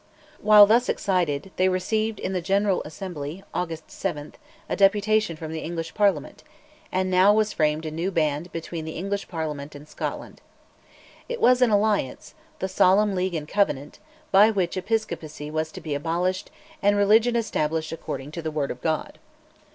While thus excited, they received in the General Assembly (August 7) a deputation from the English Parliament; and now was framed a new band between the English Parliament and Scotland. It was an alliance, "The Solemn League and Covenant," by which Episcopacy was to be abolished and religion established "according to the Word of God."